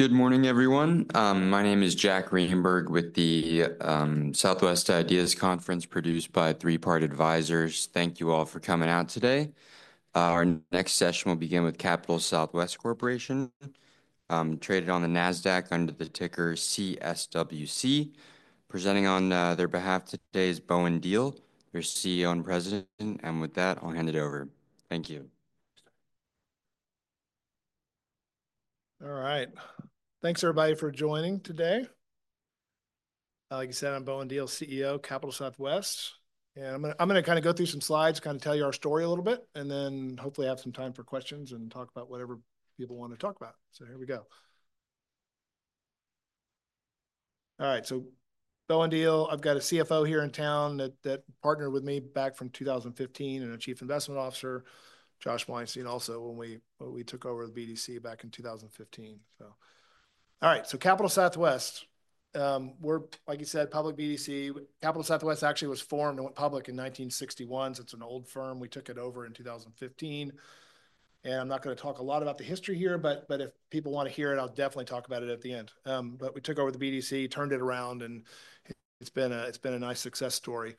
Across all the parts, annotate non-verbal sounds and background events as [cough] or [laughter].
Good morning, everyone. My name is Jack Rehberg with the Southwest Ideas Conference, produced by Three Part Advisors. Thank you all for coming out today. Our next session will begin with Capital Southwest Corporation, traded on the NASDAQ under the ticker CSWC. Presenting on their behalf today is Bowen Diehl, their CEO and President. And with that, I'll hand it over. Thank you. All right. Thanks, everybody, for joining today. Like I said, I'm Bowen Diehl, CEO, Capital Southwest, and I'm going to kind of go through some slides, kind of tell you our story a little bit, and then hopefully have some time for questions and talk about whatever people want to talk about. So here we go. All right. So Bowen Diehl, I've got a CFO here in town that partnered with me back from 2015 and a Chief Investment Officer, Josh Weinstein, also when we took over the BDC back in 2015. So all right. So Capital Southwest, we're, like you said, public BDC. Capital Southwest actually was formed and went public in 1961, so it's an old firm. We took it over in 2015. I'm not going to talk a lot about the history here, but if people want to hear it, I'll definitely talk about it at the end. We took over the BDC, turned it around, and it's been a nice success story.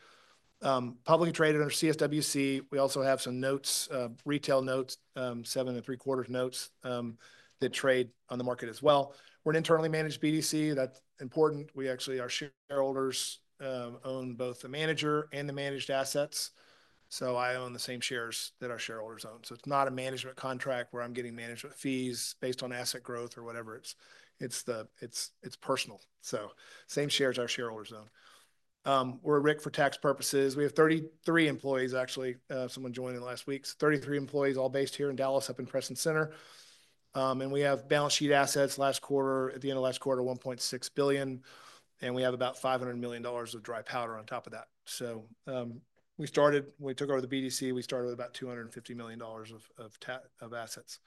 Publicly traded under CSWC. We also have some notes, retail notes, 7.75% notes that trade on the market as well. We're an internally managed BDC. That's important. We actually, our shareholders own both the manager and the managed assets. So I own the same shares that our shareholders own. So it's not a management contract where I'm getting management fees based on asset growth or whatever. It's personal. So same shares our shareholders own. We're a RIC for tax purposes. We have 33 employees, actually. Someone joined last week. 33 employees, all based here in Dallas, up in Preston Center. We have balance sheet assets last quarter, at the end of last quarter, $1.6 billion. We have about $500 million of dry powder on top of that. We started, we took over the BDC, we started with about $250 million of assets.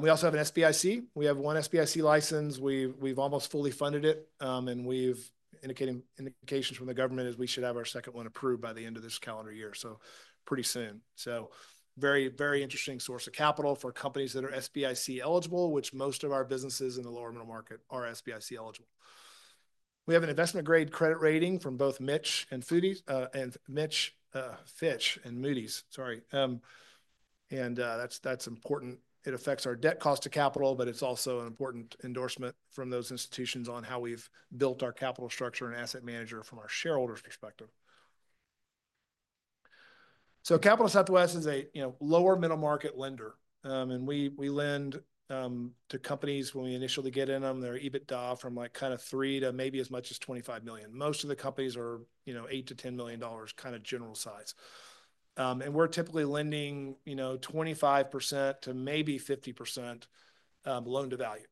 We also have an SBIC. We have one SBIC license. We have almost fully funded it. We have indications from the government as we should have our second one approved by the end of this calendar year, so pretty soon. Very, very interesting source of capital for companies that are SBIC eligible, which most of our businesses in the lower middle market are SBIC eligible. We have an investment-grade credit rating from both Fitch and Moody's. Sorry. That is important. It affects our debt cost to capital, but it's also an important endorsement from those institutions on how we've built our capital structure and asset manager from our shareholders' perspective. So Capital Southwest is a lower middle market lender. And we lend to companies when we initially get in their EBITDA from kind of three to maybe as much as $25 million. Most of the companies are $8-$10 million, kind of general size. And we're typically lending 25% to maybe 50% loan to value.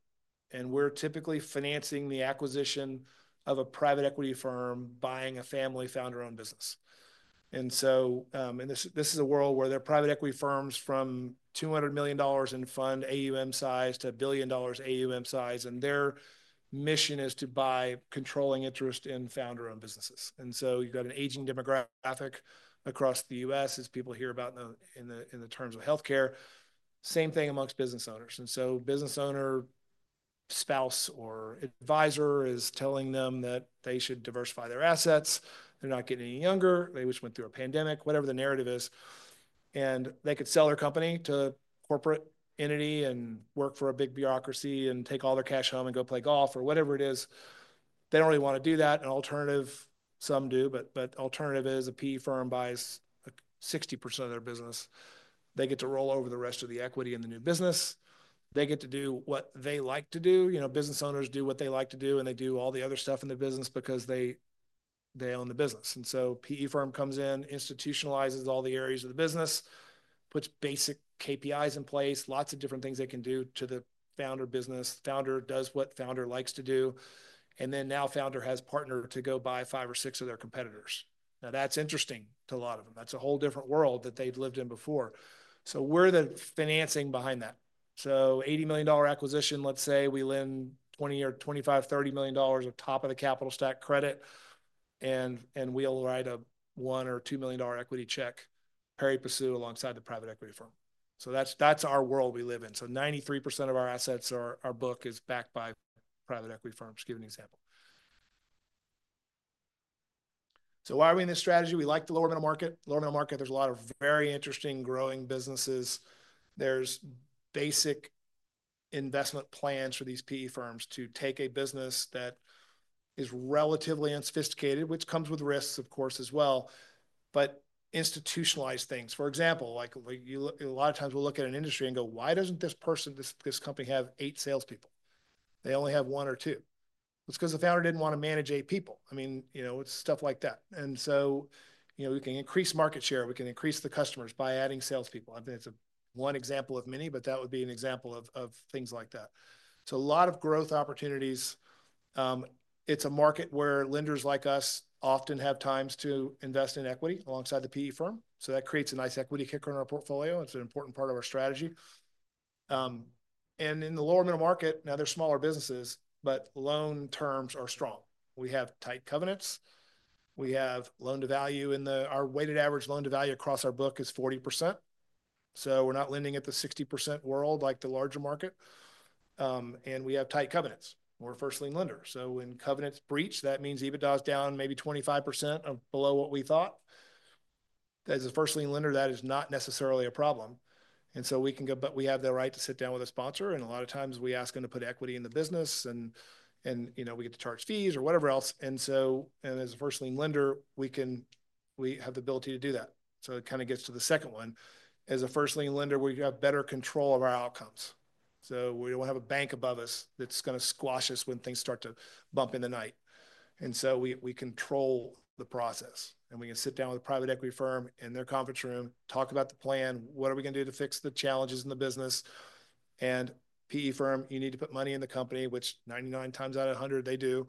And we're typically financing the acquisition of a private equity firm buying a family-founder-owned business. And so, this is a world where there are private equity firms from $200 million in fund AUM size to $1 billion AUM size, and their mission is to buy controlling interest in founder-owned businesses. And so you've got an aging demographic across the U.S., as people hear about in the terms of healthcare. Same thing among business owners. And so business owner, spouse, or advisor is telling them that they should diversify their assets. They're not getting any younger, they which went through a pandemic, whatever the narrative is. And they could sell their company to a corporate entity and work for a big bureaucracy and take all their cash home and go play golf or whatever it is. They don't really want to do that. An alternative, some do, but alternative is a PE firm buys 60% of their business. They get to roll over the rest of the equity in the new business. They get to do what they like to do. Business owners do what they like to do, and they do all the other stuff in the business because they own the business, and so PE firm comes in, institutionalizes all the areas of the business, puts basic KPIs in place, lots of different things they can do to the founder business. Founder does what founder likes to do, and then now founder has partnered to go buy five or six of their competitors. Now, that's interesting to a lot of them. That's a whole different world that they've lived in before. So we're the financing behind that, so $80 million acquisition. Let's say we lend $25-$30 million on top of the capital stack credit, and we'll write a $1 or $2 million equity check, pari passu alongside the private equity firm. So that's our world we live in. 93% of our assets, our book, is backed by private equity firms, to give you an example. Why are we in this strategy? We like the lower middle market. Lower middle market, there's a lot of very interesting growing businesses. There's basic investment plans for these PE firms to take a business that is relatively unsophisticated, which comes with risks, of course, as well, but institutionalize things. For example, a lot of times we'll look at an industry and go, Why doesn't this person, this company, have eight salespeople? They only have one or two. It's because the founder didn't want to manage eight people. I mean, it's stuff like that, and so we can increase market share. We can increase the customers by adding salespeople. I think it's one example of many, but that would be an example of things like that. So a lot of growth opportunities. It's a market where lenders like us often have times to invest in equity alongside the PE firm. So that creates a nice equity kicker in our portfolio. It's an important part of our strategy. And in the lower middle market, now there's smaller businesses, but loan terms are strong. We have tight covenants. We have loan to value, and our weighted average loan to value across our book is 40%. So we're not lending at the 60% world like the larger market. And we have tight covenants. We're a first lien lender. So when covenants breach, that means EBITDA is down maybe 25% or below what we thought. As a first lien lender, that is not necessarily a problem. And so we can go, but we have the right to sit down with a sponsor. A lot of times we ask them to put equity in the business and we get to charge fees or whatever else. And so as a first lien lender, we have the ability to do that. So it kind of gets to the second one. As a first lien lender, we have better control of our outcomes. So we don't have a bank above us that's going to squash us when things start to bump in the night. And so we control the process. And we can sit down with a private equity firm in their conference room, talk about the plan, what are we going to do to fix the challenges in the business. And PE firm, you need to put money in the company, which 99 times out of 100 they do.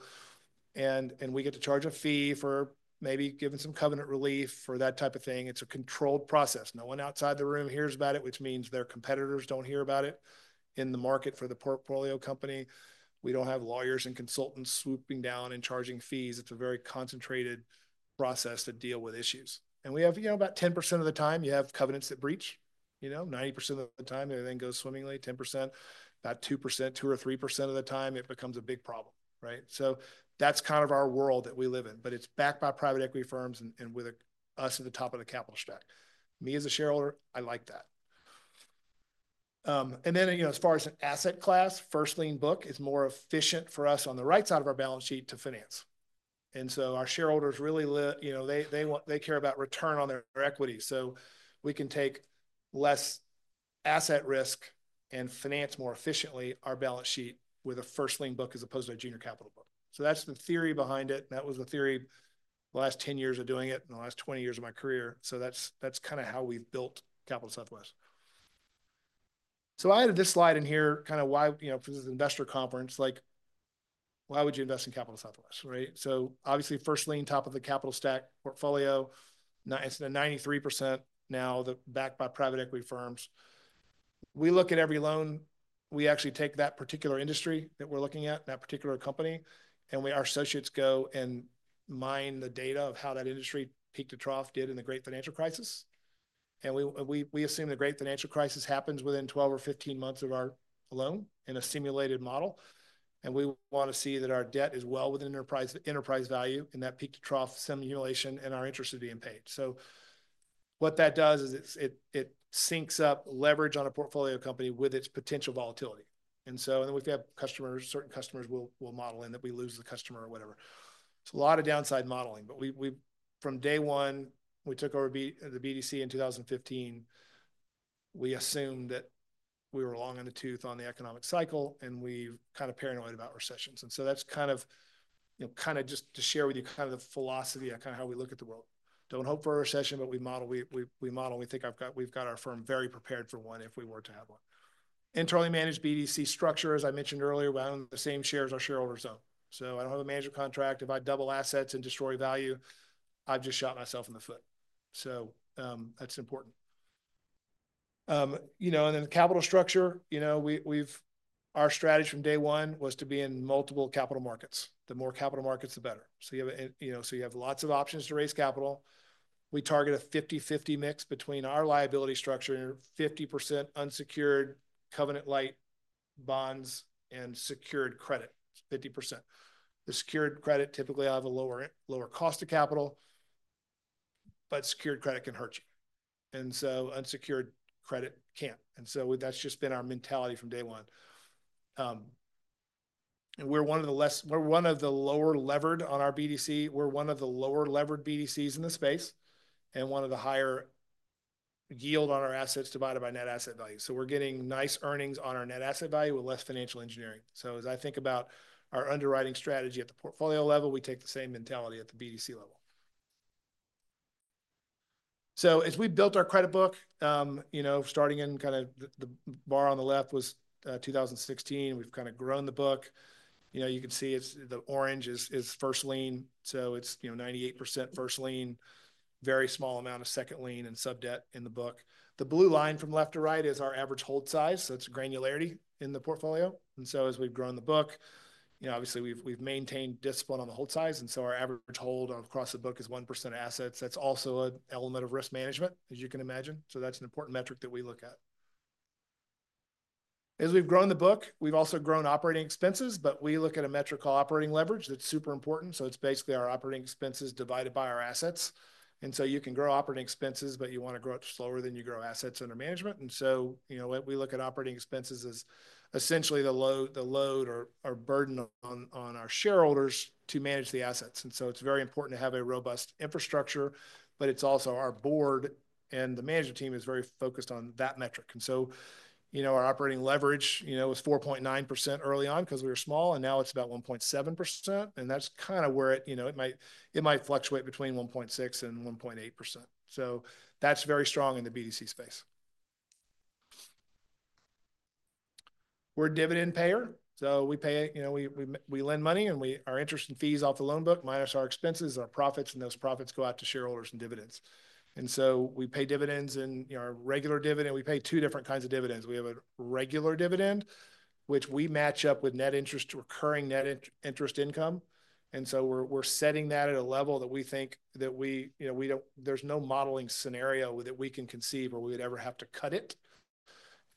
And we get to charge a fee for maybe giving some covenant relief for that type of thing. It's a controlled process. No one outside the room hears about it, which means their competitors don't hear about it in the market for the portfolio company. We don't have lawyers and consultants swooping down and charging fees. It's a very concentrated process to deal with issues. And we have about 10% of the time you have covenants that breach. You know, 90% of the time everything goes swimmingly, 10%, about 2%, 2 or 3% of the time it becomes a big problem. So that's kind of our world that we live in. But it's backed by private equity firms and with us at the top of the capital stack. Me as a shareholder, I like that. Then as far as an asset class, first-lien book is more efficient for us on the right side of our balance sheet to finance. And so, our shareholders really let, they care about return on their equity. So we can take less asset risk and finance more efficiently our balance sheet with a first-lien book as opposed to a junior capital book. That's the theory behind it. That was the theory the last 10 years of doing it and the last 20 years of my career. That's kind of how we've built Capital Southwest. I added this slide in here, kind of why for this investor conference, why would you invest in Capital Southwest? Obviously, first-lien top of the capital stack portfolio. It's 93% now backed by private equity firms. We look at every loan. We actually take that particular industry that we're looking at, that particular company, and our associates go and mine the data of how that industry peaked to trough, did in the Great Financial Crisis, and we assume the Great Financial Crisis happens within 12 or 15 months of our loan in a simulated model, and we want to see that our debt is well within enterprise value in that peak to trough simulation and our interest is being paid, so what that does is it syncs up leverage on a portfolio company with its potential volatility, and so then we have customers, certain customers will model in that we lose the customer or whatever. It's a lot of downside modeling, but from day one, we took over the BDC in 2015. We assumed that we were long in the tooth on the economic cycle and we're kind of paranoid about recessions, so that's kind of just to share with you kind of the philosophy of kind of how we look at the world. Don't hope for a recession, but we model. We think we've got our firm very prepared for one if we were to have one. Internally managed BDC structure, as I mentioned earlier, we own the same shares our shareholders own. So I don't have a manager contract. If I double assets and destroy value, I've just shot myself in the foot. So that's important. Then the capital structure, our strategy from day one was to be in multiple capital markets. The more capital markets, the better. So you have lots of options to raise capital. We target a 50/50 mix between our liability structure and 50% unsecured covenant-light bonds and Secured credit, 50%. The Secured credit, typically I'll have a lower cost of capital, but Secured credit can hurt you, and so unsecured credit can't, and so that's just been our mentality from day one. We're one of the lower levered on our BDC. We're one of the lower levered BDCs in the space and one of the higher yield on our assets divided by net asset value, so we're getting nice earnings on our net asset value with less financial engineering, so as I think about our underwriting strategy at the portfolio level, we take the same mentality at the BDC level, so as we built our credit book, starting in kind of the bar on the left was 2016, we've kind of grown the book. You can see the orange is first-lien so it's 98% first-lien, very small amount of second-lien and sub-debt in the book. The blue line from left to right is our average hold size, so it's granularity in the portfolio, and so as we've grown the book, obviously we've maintained discipline on the hold size, and so our average hold across the book is 1% of assets. That's also an element of risk management, as you can imagine, so that's an important metric that we look at. As we've grown the book, we've also grown operating expenses, but we look at a metric called operating leverage. That's super important, so it's basically our operating expenses divided by our assets, and so you can grow operating expenses, but you want to grow it slower than you grow assets under management. And so we look at operating expenses as essentially the load or burden on our shareholders to manage the assets. And so it's very important to have a robust infrastructure, but it's also our board and the management team is very focused on that metric. And so our operating leverage was 4.9% early on because we were small, and now it's about 1.7%. And that's kind of where it might fluctuate between 1.6% and 1.8%. So that's very strong in the BDC space. We're a dividend payer. So we lend money and our interest and fees off the loan book minus our expenses, our profits, and those profits go out to shareholders and dividends. And so we pay dividends in our regular dividend. We pay two different kinds of dividends. We have a regular dividend, which we match up with net interest, recurring net interest income. And so, we're setting that at a level that we think that there's no modeling scenario that we can conceive where we would ever have to cut it.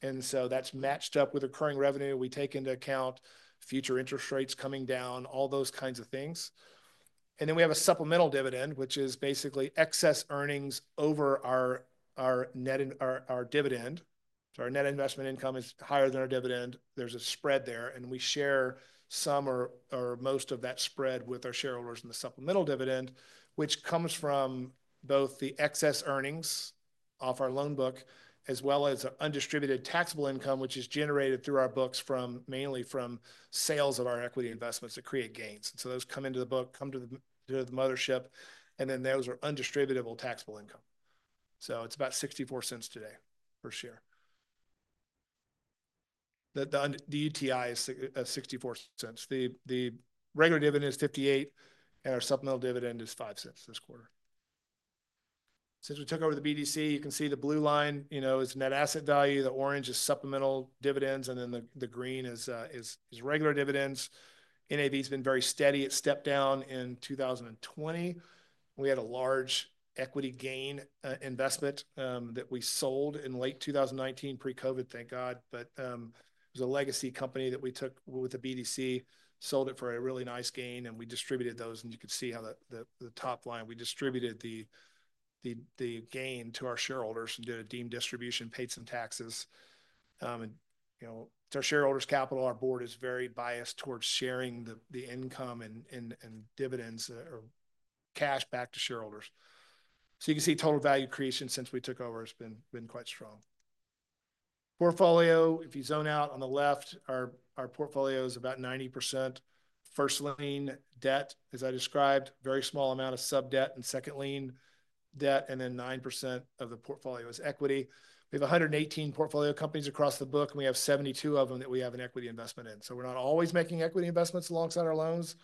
And so, that's matched up with recurring revenue. We take into account future interest rates coming down, all those kinds of things. And then, we have a supplemental dividend, which is basically excess earnings over our dividend. So, our net investment income is higher than our dividend. There's a spread there. And we share some or most of that spread with our shareholders in the supplemental dividend, which comes from both the excess earnings off our loan book as well as our undistributed taxable income, which is generated through our books mainly from sales of our equity investments to create gains. And so, those come into the book, come to the mothership, and then those are Undistributed Taxable Income. It's about $0.64 today per share. The UTI is $0.64. The regular dividend is $0.58, and our supplemental dividend is $0.05 this quarter. Since we took over the BDC, you can see the blue line is net asset value. The orange is supplemental dividends, and then the green is regular dividends. NAV has been very steady. It stepped down in 2020. We had a large equity gain investment that we sold in late 2019, pre-COVID, thank God. It was a legacy company that we took with the BDC, sold it for a really nice gain, and we distributed those. You could see how the top line, we distributed the gain to our shareholders and did a deemed distribution, paid some taxes. It's our shareholders' capital. Our board is very biased towards sharing the income and dividends or cash back to shareholders. So you can see total value creation since we took over has been quite strong. Portfolio, if you zoom out on the left, our portfolio is about 90% first-lien debt, as I described, very small amount of sub-debt and second-lien debt, and then 9% of the portfolio is equity. We have 118 portfolio companies across the book, and we have 72 of them that we have an equity investment in. So we're not always making equity investments alongside our loans.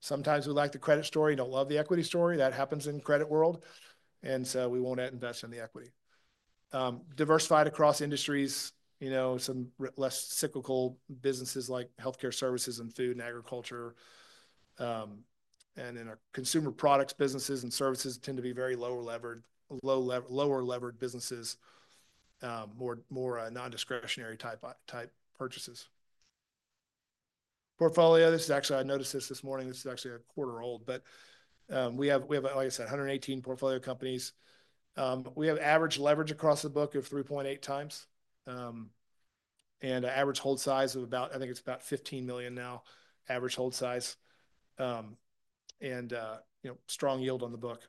Sometimes we like the credit story, don't love the equity story. That happens in the credit world. And so we won't invest in the equity. Diversified across industries, some less cyclical businesses like healthcare services and food and agriculture. And then our consumer products businesses and services tend to be very lower-levered businesses, more non-discretionary type purchases. Portfolio, this is actually. I noticed this morning, this is actually a quarter old, but we have, like I said, 118 portfolio companies. We have average leverage across the book of 3.8 times and an average hold size of about, I think it's about $15 million now, average hold size and strong yield on the book.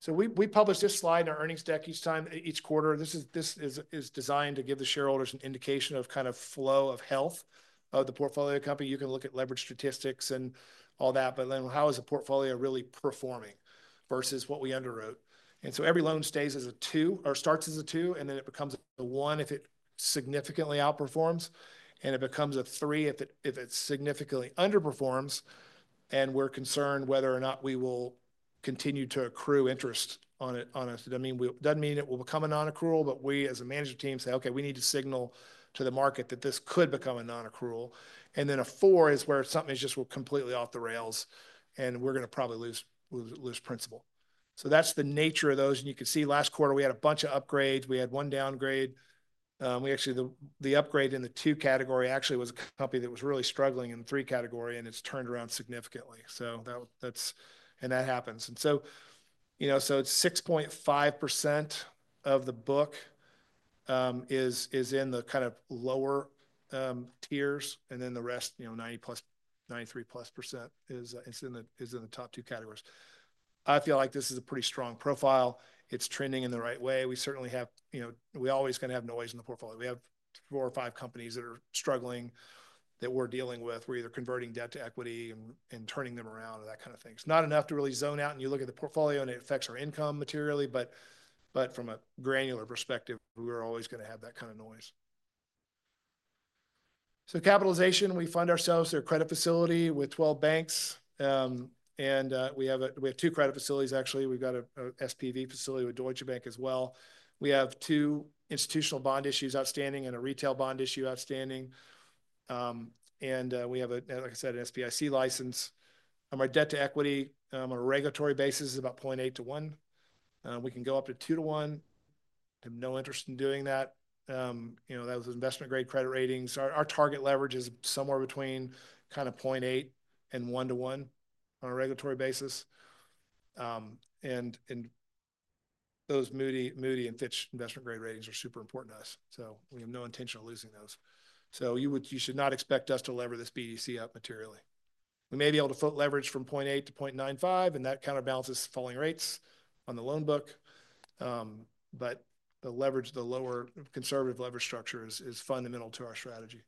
So we publish this slide in our earnings deck each time, each quarter. This is designed to give the shareholders an indication of kind of flow of health of the portfolio company. You can look at leverage statistics and all that, but then how is the portfolio really performing versus what we underwrote? Every loan stays as a two or starts as a two, and then it becomes a one if it significantly outperforms, and it becomes a three if it significantly underperforms. We're concerned whether or not we will continue to accrue interest on it. It doesn't mean it will become a non-accrual, but we as a management team say, "Okay, we need to signal to the market that this could become a non-accrual." Then a four is where something just will completely off the rails and we're going to probably lose principal. That's the nature of those. You can see last quarter we had a bunch of upgrades. We had one downgrade. Actually, the upgrade in the two category actually was a company that was really struggling in the three category, and it's turned around significantly. That's and that happens. So it's 6.5% of the book is in the kind of lower tiers, and then the rest, 90+, +93% is in the top two categories. I feel like this is a pretty strong profile. It's trending in the right way. We certainly have. We're always going to have noise in the portfolio. We have four or five companies that are struggling that we're dealing with. We're either converting debt to equity and turning them around or that kind of thing. It's not enough to really zone out, and you look at the portfolio and it affects our income materially, but from a granular perspective, we're always going to have that kind of noise. So, capitalization: we fund ourselves through a credit facility with 12 banks, and we have two credit facilities, actually. We've got an SPV facility with Deutsche Bank as well. We have two institutional bond issues outstanding and a retail bond issue outstanding, and we have, like I said, an SBIC license. Our debt to equity on a regulatory basis is about 0.8 to 1. We can go up to 2 to 1. I have no interest in doing that. That was investment-grade credit ratings. Our target leverage is somewhere between kind of 0.8 and 1-1 on a regulatory basis, and those Moody's and Fitch investment-grade ratings are super important to us. So we have no intention of losing those. So you should not expect us to lever this BDC up materially. We may be able to leverage from 0.8-0.95, and that kind of balances falling rates on the loan book. But the leverage, the lower conservative leverage structure is fundamental to our strategy.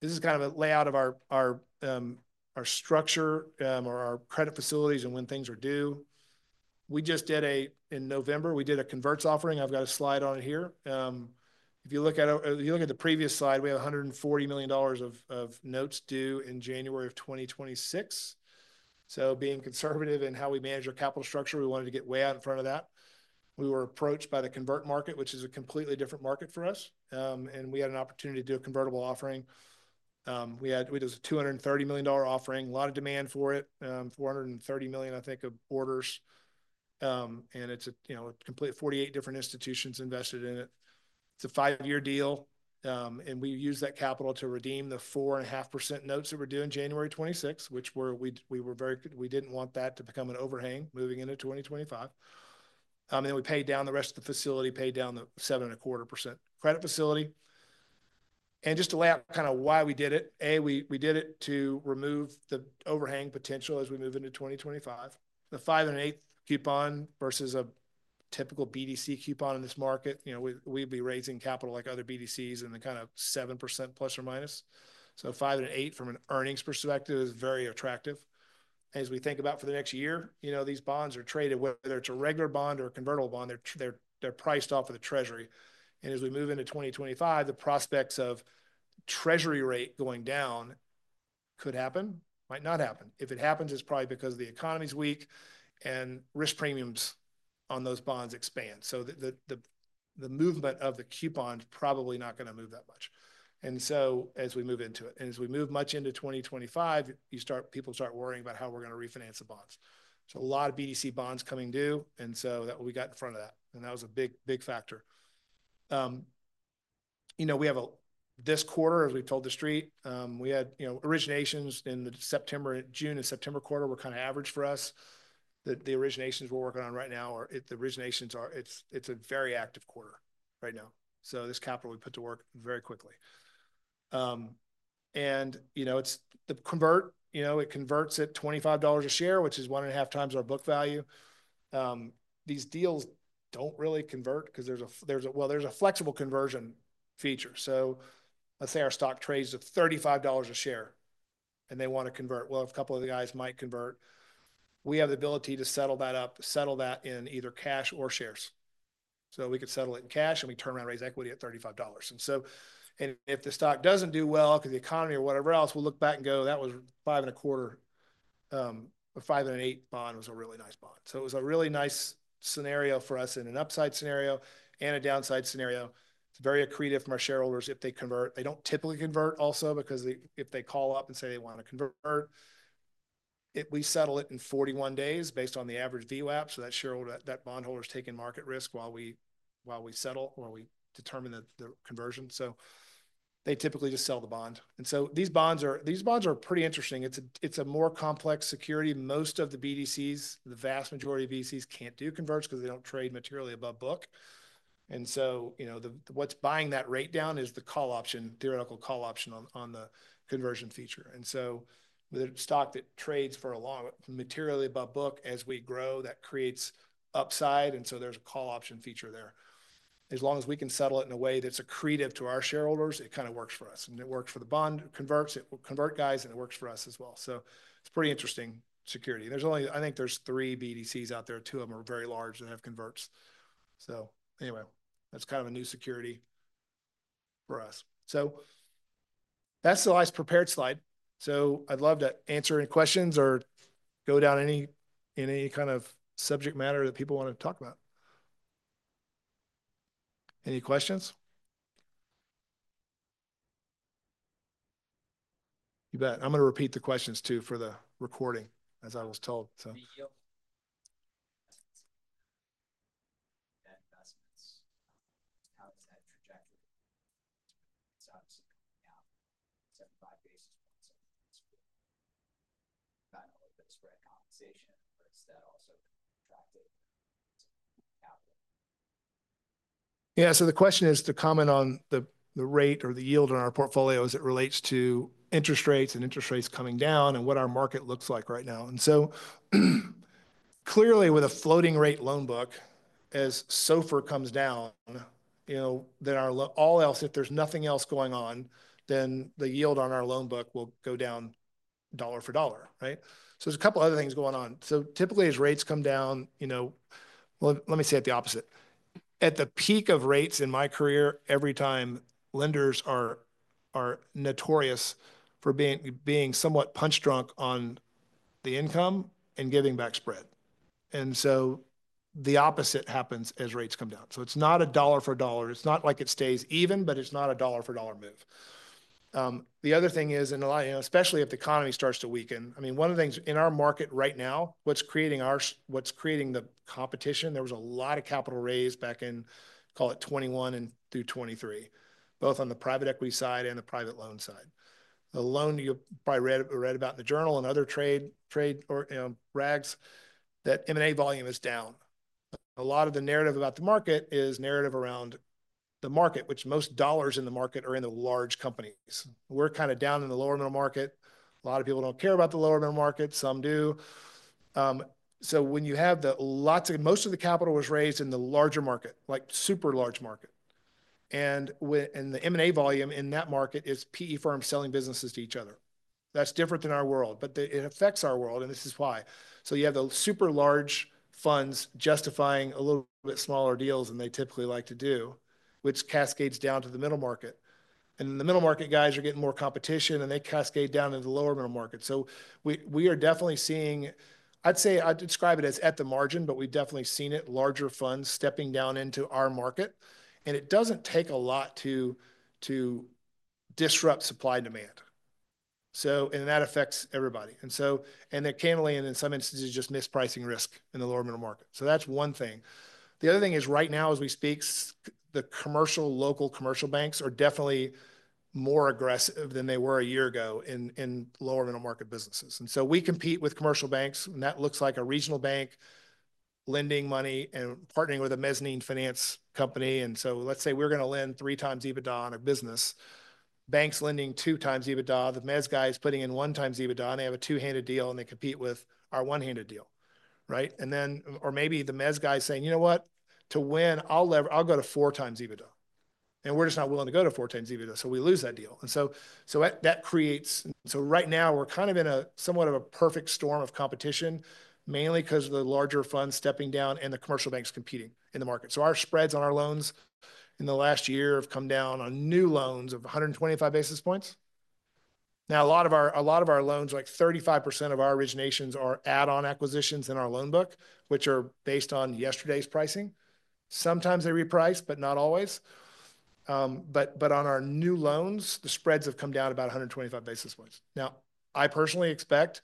This is kind of a layout of our structure or our credit facilities and when things are due. We just did a, in November we did an convertible offering, I've got a slide on it here. If you look at the previous slide, we have $140 million of notes due in January 2026. So being conservative in how we manage our capital structure, we wanted to get way out in front of that. We were approached by the convert market, which is a completely different market for us. And we had an opportunity to do a convertible offering. We had, it was a $230 million offering, a lot of demand for it, $430 million, I think, of orders. And it's a complete 48 different institutions invested in it. It's a five-year deal. And we use that capital to redeem the 4.5% notes that were due in January 2026, which we didn't want that to become an overhang moving into 2025. And then we paid down the rest of the facility, paid down the 7.25% credit facility. And just to lay out kind of why we did it, A, we did it to remove the overhang potential as we move into 2025. The 5.8 coupon versus a typical BDC coupon in this market, we'd be raising capital like other BDCs in the kind of ±7%. So 5.8 from an earnings perspective is very attractive. As we think about for the next year, these bonds are traded, whether it's a regular bond or a convertible bond, they're priced off of the treasury. And as we move into 2025, the prospects of treasury rate going down could happen, might not happen. If it happens, it's probably because the economy's weak and risk premiums on those bonds expand. So the movement of the coupon is probably not going to move that much. And so as we move into it, and as we move much into 2025, people start worrying about how we're going to refinance the bonds. So a lot of BDC bonds coming due, and so that we got in front of that. And that was a big factor. You know, we have this quarter, as we've told the Street, we had originations in the September, June and September quarter were kind of average for us. The originations we're working on right now, it's a very active quarter right now. So this capital we put to work very quickly. And it's the convertible, it converts at $25 a share, which is one and a half times our book value. These deals don't really convert because there's a, well, there's a flexible conversion feature. So let's say our stock trades at $35 a share and they want to convert. Well, a couple of the guys might convert. We have the ability to settle that up, settle that in either cash or shares. So we could settle it in cash and we turn around raise equity at $35. And so if the stock doesn't do well because the economy or whatever else, we'll look back and go, "That was 5.25, 5.8 bond was a really nice bond." So it was a really nice scenario for us in an upside scenario and a downside scenario. It's very accretive from our shareholders if they convert. They don't typically convert also because if they call up and say they want to convert, we settle it in 41 days based on the average VWAP. So that shareholder, that bondholder is taking market risk while we settle or we determine the conversion. So they typically just sell the bond. And so these bonds are pretty interesting. It's a more complex security. Most of the BDCs, the vast majority of BDCs can't do converts because they don't trade materially above book. And so what's buying that rate down is the call option, theoretical call option on the conversion feature. And so the stock that trades for a long materially above book as we grow, that creates upside. And so there's a call option feature there. As long as we can settle it in a way that's accretive to our shareholders, it kind of works for us. And it works for the bond converts, it will convert guys, and it works for us as well. So it's a pretty interesting security. I think there's three BDCs out there. Two of them are very large that have converts. Anyway, that's kind of a new security for us. That's the last prepared slide. I'd love to answer any questions or go down any kind of subject matter that people want to talk about. Any questions? You bet. I'm going to repeat the questions too for the recording as I was told. [inaudible] Yeah, so the question is to comment on the rate or the yield on our portfolios as it relates to interest rates and interest rates coming down and what our market looks like right now. Clearly with a floating rate loan book, as SOFR comes down, then all else, if there's nothing else going on, then the yield on our loan book will go down dollar for dollar, right? There's a couple of other things going on. Typically as rates come down, you know, let me say it the opposite. At the peak of rates in my career, every time lenders are notorious for being somewhat punch drunk on the income and giving back spread. The opposite happens as rates come down. It's not a dollar for dollar. It's not like it stays even, but it's not a dollar for dollar move. The other thing is, and especially if the economy starts to weaken, I mean, one of the things in our market right now, what's creating the competition, there was a lot of capital raised back in, call it 2021 and through 2023, both on the private equity side and the private loan side. The loan you probably read about in the journal and other trade rags that M&A volume is down. A lot of the narrative about the market is narrative around the market, which most dollars in the market are in the large companies. We're kind of down in the lower-middle market. A lot of people don't care about the lower middle market. Some do, so when you have the lots of, most of the capital was raised in the larger market, like super large market and the M&A volume in that market is PE firms selling businesses to each other. That's different than our world, but it affects our world, and this is why, so you have the super large funds justifying a little bit smaller deals than they typically like to do, which cascades down to the middle market, and then the middle market guys are getting more competition, and they cascade down into the lower middle market. So we are definitely seeing. I'd say I'd describe it as at the margin, but we've definitely seen it, larger funds stepping down into our market. And it doesn't take a lot to disrupt supply demand. And that affects everybody. And the chameleon, in some instances, just mispricing risk in the lower middle market. So that's one thing. The other thing is right now, as we speak, the commercial, local commercial banks are definitely more aggressive than they were a year ago in lower middle market businesses. And so we compete with commercial banks, and that looks like a regional bank lending money and partnering with a mezzanine finance company. And so let's say we're going to lend three times EBITDA on a business. Banks are lending two times EBITDA. The mezz guys are putting in one times EBITDA, and they have a two-handed deal, and they compete with our one-handed deal, right? And then, or maybe the mezz guys saying, You know what? To win, I'll go to four times EBITDA And we're just not willing to go to four times EBITDA, so we lose that deal. And so that creates. So right now, we're kind of in a somewhat of a perfect storm of competition, mainly because of the larger funds stepping down and the commercial banks competing in the market. So our spreads on our loans in the last year have come down on new loans of 125 basis points. Now, a lot of our loans, like 35% of our originations are add-on acquisitions in our loan book, which are based on yesterday's pricing. Sometimes they reprice, but not always. But on our new loans, the spreads have come down about 125 basis points. Now, I personally expect,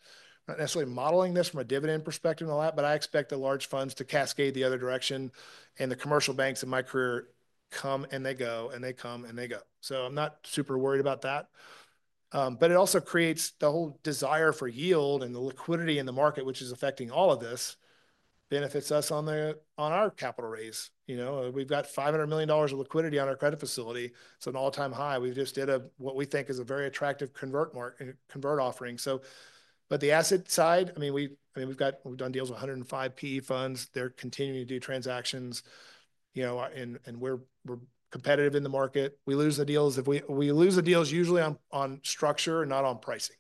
not necessarily modeling this from a dividend perspective and all that, but I expect the large funds to cascade the other direction. And the commercial banks in my career come and they go, and they come and they go. So I'm not super worried about that. But it also creates the whole desire for yield and the liquidity in the market, which is affecting all of this, benefits us on our capital raise. We've got $500 million of liquidity on our credit facility. It's an all-time high. We just did what we think is a very attractive convert offering. But the asset side, I mean, we've done deals with 105 PE funds. They're continuing to do transactions. And we're competitive in the market. We lose the deals. We lose the deals usually on structure, not on pricing.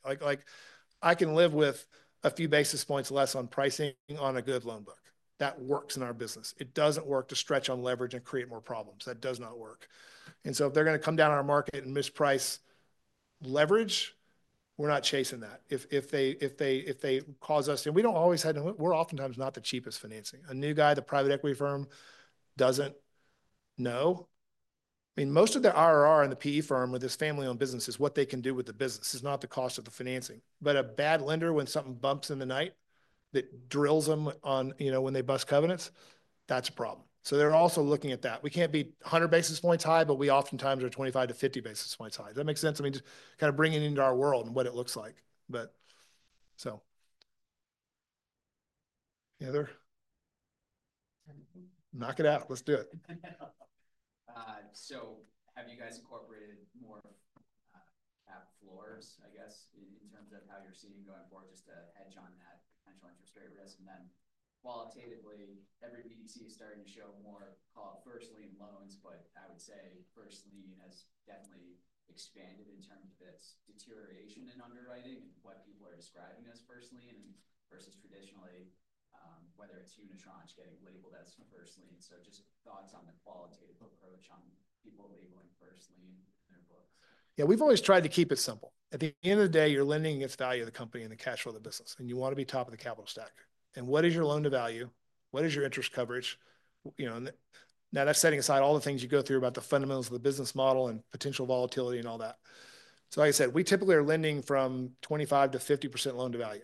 I can live with a few basis points less on pricing on a good loan book. That works in our business. It doesn't work to stretch on leverage and create more problems. That does not work. And so if they're going to come down our market and misprice leverage, we're not chasing that. If they cause us, and we don't always have to, we're oftentimes not the cheapest financing. A new guy, the private equity firm, doesn't know. I mean, most of the IRR and the PE firm with this family-owned business is what they can do with the business. It's not the cost of the financing. But a bad lender, when something bumps in the night, that drills them when they bust covenants, that's a problem. So they're also looking at that. We can't be 100 basis points high, but we oftentimes are 25-50 basis points high. Does that make sense? I mean, just kind of bringing it into our world and what it looks like. But so, Heather? Knock it out. Let's do it. So have you guys incorporated more of cap floors, I guess, in terms of how you're seeing going forward, just to hedge on that potential interest rate risk? And then qualitatively, every BDC is starting to show more call it first lien loans, but I would say first lien has definitely expanded in terms of its deterioration in underwriting and what people are describing as first lien versus traditionally, whether it's unitranche getting labeled as first lien. So just thoughts on the qualitative approach on people labeling first lien in their books? Yeah, we've always tried to keep it simple. At the end of the day, you're lending at value of the company and the cash flow of the business, and you want to be top of the capital stack. And what is your loan to value? What is your interest coverage? Now, that's setting aside all the things you go through about the fundamentals of the business model and potential volatility and all that. So like I said, we typically are lending from 25%-50% loan to value.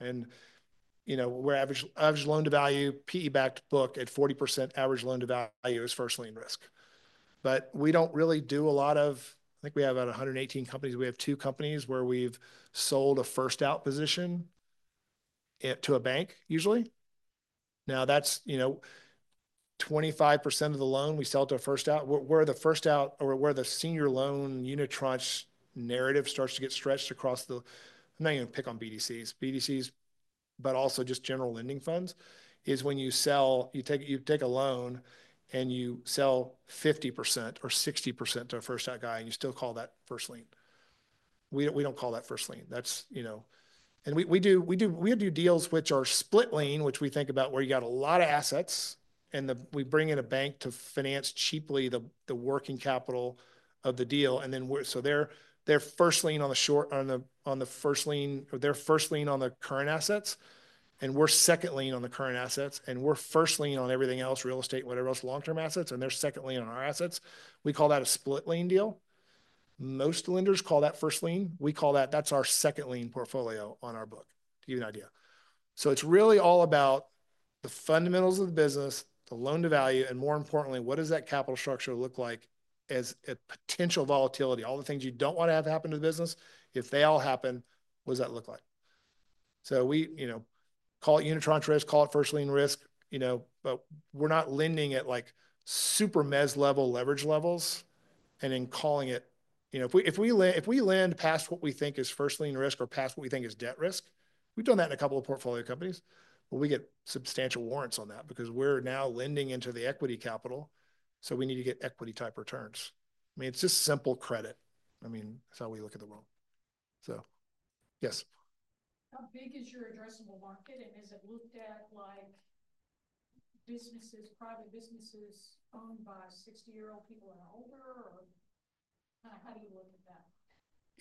And we're average loan to value, PE backed book at 40% average loan to value is first lien risk. But we don't really do a lot of, I think we have about 118 companies. We have two companies where we've sold a first out position to a bank usually. Now, that's 25% of the loan we sell to a first out. Where the first out or where the senior loan unitranche narrative starts to get stretched across the, I'm not even going to pick on BDCs, BDCs, but also just general lending funds is when you sell, you take a loan and you sell 50% or 60% to a first out guy and you still call that first lien. We don't call that first lien. And we do deals which are split lien, which we think about where you got a lot of assets and we bring in a bank to finance cheaply the working capital of the deal. And then so they're first lien on the short, on the first lien or they're first lien on the current assets. We're second lien on the current assets. We're first lien on everything else, real estate, whatever else long-term assets. They're second lien on our assets. We call that a split lien deal. Most lenders call that first lien. We call that. That's our second lien portfolio on our book, to give you an idea. It's really all about the fundamentals of the business, the loan to value, and more importantly, what does that capital structure look like as a potential volatility, all the things you don't want to have happen to the business. If they all happen, what does that look like? So we call it unitranche risk, call it first lien risk, but we're not lending at super mez level leverage levels and then calling it. If we lend past what we think is first lien risk or past what we think is debt risk, we've done that in a couple of portfolio companies, but we get substantial warrants on that because we're now lending into the equity capital. So we need to get equity type returns. I mean, it's just simple credit. I mean, that's how we look at the world. So yes. How big is your addressable market? And is it looked at like businesses, private businesses owned by 60-year-old people and older? Or kind of how do you look at that?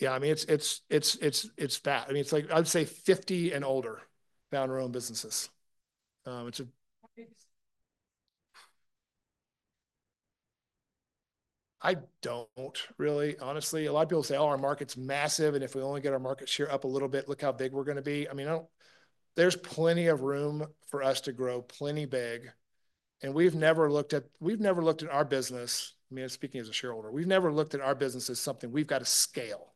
Yeah, I mean, it's fat. I mean, it's like, I'd say 50 and older founder-owned businesses. [inaudible] I don't really, honestly. A lot of people say, "Oh, our market's massive. And if we only get our market share up a little bit, look how big we're going to be." I mean, there's plenty of room for us to grow plenty big. And we've never looked at, we've never looked at our business, I mean, speaking as a shareholder, we've never looked at our business as something we've got to scale.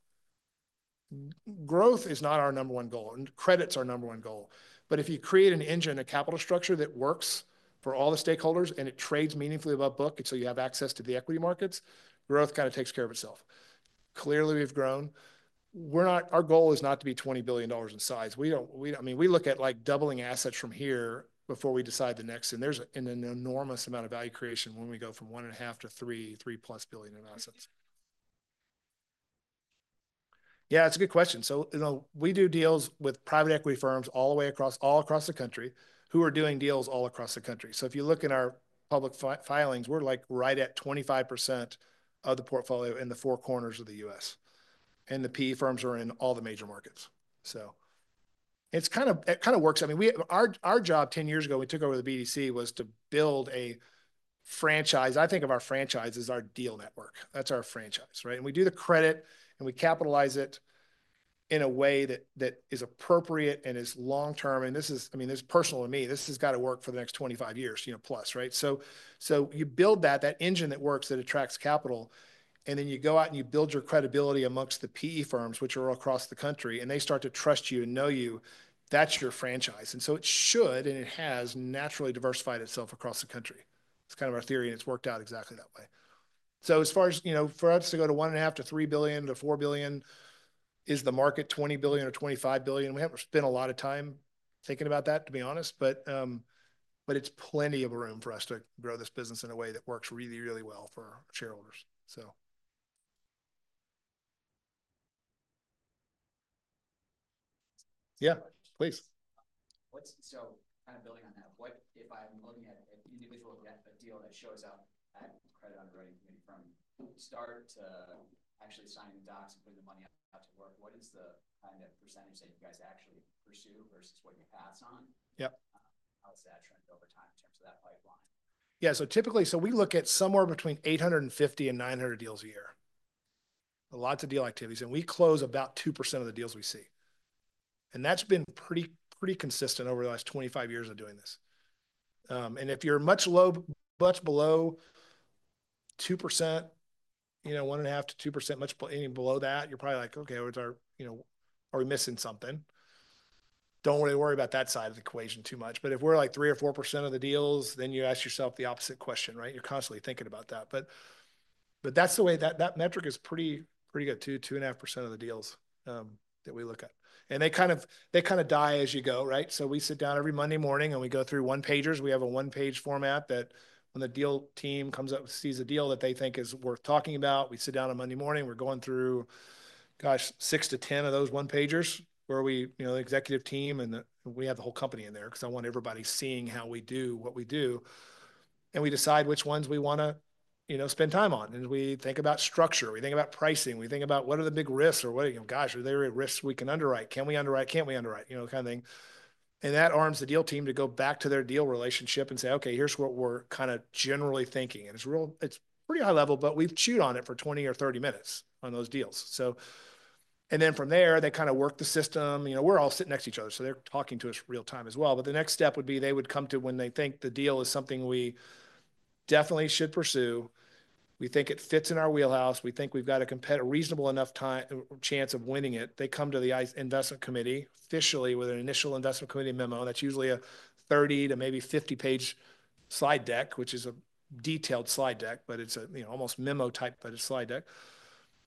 Growth is not our number one goal. And credit's our number one goal. But if you create an engine, a capital structure that works for all the stakeholders and it trades meaningfully above book until you have access to the equity markets, growth kind of takes care of itself. Clearly, we've grown. Our goal is not to be $20 billion in size. I mean, we look at doubling assets from here before we decide the next. There's an enormous amount of value creation when we go from $1.5 billion to $3 billion-plus in assets. Yeah, it's a good question. We do deals with private equity firms all across the country who are doing deals all across the country. If you look in our public filings, we're like right at 25% of the portfolio in the four corners of the U.S. The PE firms are in all the major markets. It kind of works. I mean, our job 10 years ago when we took over the BDC was to build a franchise. I think of our franchise as our deal network. That's our franchise, right? We do the credit and we capitalize it in a way that is appropriate and is long-term. This is, I mean, this is personal to me. This has got to work for the next 25 years plus, right, so you build that, that engine that works that attracts capital, and then you go out and you build your credibility among the PE firms, which are all across the country, and they start to trust you and know you, that's your franchise, and so it should and it has naturally diversified itself across the country. It's kind of our theory, and it's worked out exactly that way, so as far as for us to go to one and a half to three billion to four billion, is the market 20 billion or 25 billion? We haven't spent a lot of time thinking about that, to be honest, but it's plenty of room for us to grow this business in a way that works really, really well for our shareholders. So. Yeah, please. So kind of building on that, what if I'm looking at an individual deal that shows up at credit underwriting from start to actually signing the docs and putting the money out to work? What is the kind of percentage that you guys actually pursue versus what you pass on? Yep. How is that trend over time in terms of that pipeline? Yeah. So typically, so we look at somewhere between 850 and 900 deals a year. Lots of deal activities. And we close about 2% of the deals we see. And that's been pretty consistent over the last 25 years of doing this. And if you're much below 2%, one and a half to 2%, any below that, you're probably like, "Okay, are we missing something?" Don't really worry about that side of the equation too much. But if we're like 3% or 4% of the deals, then you ask yourself the opposite question, right? You're constantly thinking about that. But that's the way that metric is pretty good too, 2.5% of the deals that we look at. And they kind of die as you go, right? So we sit down every Monday morning and we go through one-pagers. We have a one-page format that when the deal team comes up, sees a deal that they think is worth talking about, we sit down on Monday morning, we're going through, gosh, six to 10 of those one-pagers where the executive team and we have the whole company in there because I want everybody seeing how we do what we do. And we decide which ones we want to spend time on. And we think about structure. We think about pricing. We think about what are the big risks or what, gosh, are there risks we can underwrite? Can we underwrite? Can't we underwrite? You know, kind of thing, and that arms the deal team to go back to their deal relationship and say, "Okay, here's what we're kind of generally thinking," and it's pretty high level, but we've chewed on it for 20 or 30 minutes on those deals, and then from there, they kind of work the system. We're all sitting next to each other, so they're talking to us real time as well, but the next step would be they would come to when they think the deal is something we definitely should pursue. We think it fits in our wheelhouse. We think we've got a reasonable enough chance of winning it. They come to the investment committee officially with an initial investment committee memo. That's usually a 30 to maybe 50page slide deck, which is a detailed slide deck, but it's almost memo type, but it's a slide deck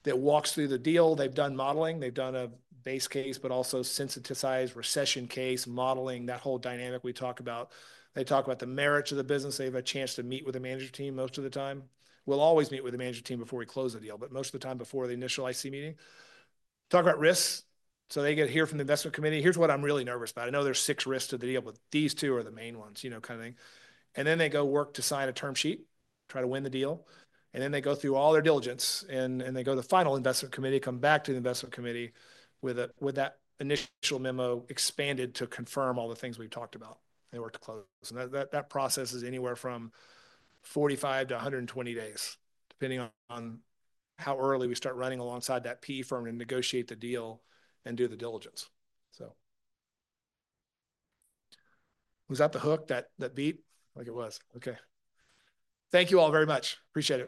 that walks through the deal. They've done modeling. They've done a base case, but also sensitized recession case modeling that whole dynamic we talk about. They talk about the merits of the business. They have a chance to meet with the manager team most of the time. We'll always meet with the manager team before we close the deal, but most of the time before the initial IC meeting. Talk about risks. So they get here from the investment committee, Here's what I'm really nervous about. I know there's six risks to the deal, but these two are the main ones, kind of thing. And then they go work to sign a term sheet, try to win the deal. And then they go through all their diligence and they go to the final investment committee, come back to the investment committee with that initial memo expanded to confirm all the things we've talked about. They work to close. And that process is anywhere from 45-120 days, depending on how early we start running alongside that PE firm to negotiate the deal and do the diligence. So. Was that the hook that beep? I think it was. Okay. Thank you all very much. Appreciate it.